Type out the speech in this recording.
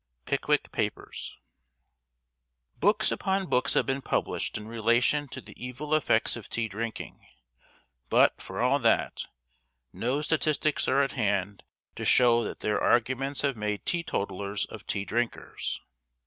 Pickwick Papers. Books upon books have been published in relation to the evil effects of tea drinking, but, for all that, no statistics are at hand to show that their arguments have made teetotalers of tea drinkers.